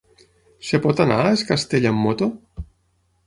Es pot anar a Es Castell amb moto?